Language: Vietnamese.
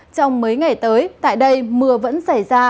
trong mấy ngày tới tại đây mưa vẫn xảy ra